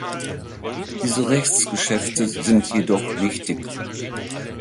Diese Rechtsgeschäfte sind jedoch nichtig.